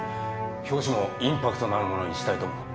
表紙もインパクトのあるものにしたいと思う。